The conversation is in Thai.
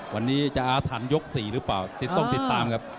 วันนี้จะอาถรรพยก๔หรือเปล่าติดต้องติดตามครับ